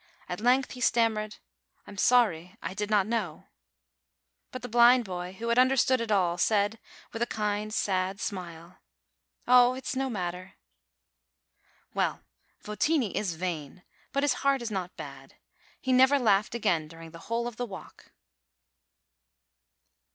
At length he stammered, "I am sorry ; I did not know." But the blind boy, who had understood it all, said, with a kind, sad smile, "Oh, it's no matter!" Well, Votini is vain; but his heart is not bad. He never laughed again during the whole of the walk.